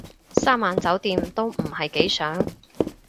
三晚酒店都唔係幾想